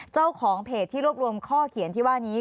เจ้าของเพจที่รวบรวมข้อเขียนที่ว่านี้